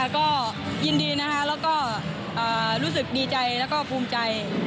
ก็ยินดีนะคะแล้วก็รู้สึกดีใจแล้วก็ภูมิใจ